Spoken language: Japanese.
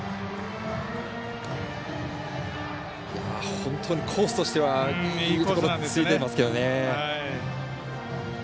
本当にコースとしてはいいコースついていますが。